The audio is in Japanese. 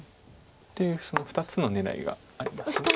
その２つの狙いがありまして。